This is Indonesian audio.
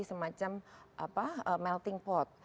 semacam melting pot